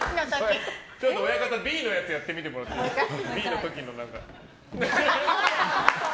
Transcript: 親方、Ｂのやつやってもらっていいですか。